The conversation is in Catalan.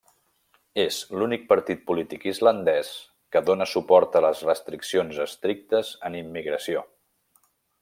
És l'únic partit polític islandès que dóna suport a les restriccions estrictes en immigració.